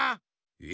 え？